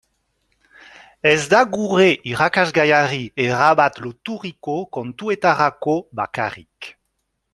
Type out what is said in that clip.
Ez da gure irakasgaiari erabat loturiko kontuetarako bakarrik.